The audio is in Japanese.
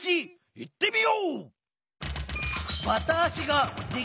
いってみよう！